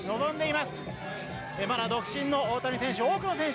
まだ独身の大谷選手